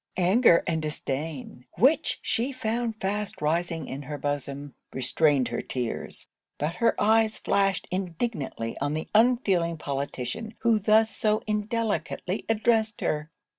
Anger and disdain, which she found fast rising in her bosom, restrained her tears: but her eyes flashed indignantly on the unfeeling politician who thus so indelicately addressed her.